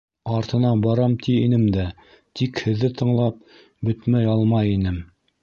Артынан барам ти инем дә, тик һеҙҙе тыңлап бөтмәй алмай инем!